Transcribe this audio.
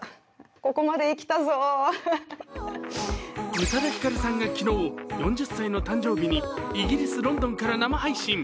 宇多田ヒカルさんが昨日、４０歳の誕生日にイギリス・ロンドンから生配信。